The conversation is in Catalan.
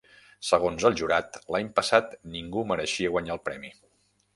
Segons el jurat, l'any passat ningú mereixia guanyar el premi.